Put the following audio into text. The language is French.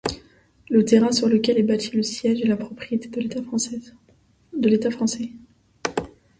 Le terrain sur lequel est bâti le siège est la propriété de l'État français.